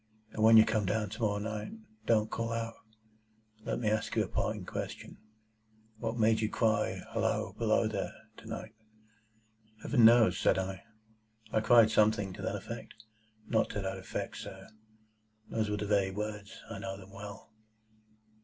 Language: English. "And when you come down to morrow night, don't call out! Let me ask you a parting question. What made you cry, 'Halloa! Below there!' to night?" "Heaven knows," said I. "I cried something to that effect—" "Not to that effect, sir. Those were the very words. I know them well."